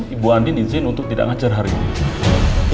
ibu andin izin untuk tidak ngajar hari ini